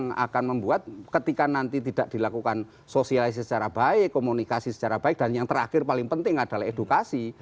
yang akan membuat ketika nanti tidak dilakukan sosialisasi secara baik komunikasi secara baik dan yang terakhir paling penting adalah edukasi